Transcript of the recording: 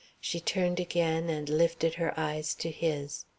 She turned again and lifted her eyes to his.